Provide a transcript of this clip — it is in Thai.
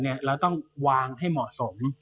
เราต้องวางให้เหมาะสม